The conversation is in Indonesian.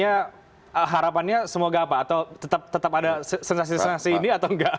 harapannya semoga apa atau tetap ada sensasi sensasi ini atau enggak